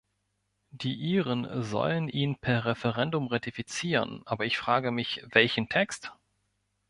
Die Iren sollen ihn per Referendum ratifizieren, aber ich frage mich, welchen Text?